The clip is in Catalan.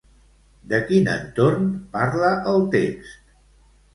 De quin entorn parla el text?